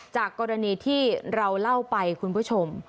จากกรณีที่เราเล่าไปคุณผู้ชม